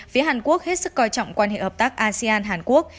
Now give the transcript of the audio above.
phía hàn quốc hết sức coi trọng quan hệ hợp tác asean hàn quốc